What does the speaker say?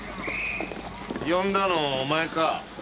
呼んだのお前か？